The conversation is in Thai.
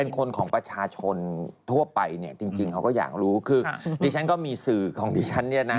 คนของประชาชนทั่วไปเนี่ยจริงเขาก็อยากรู้คือดิฉันก็มีสื่อของดิฉันเนี่ยนะ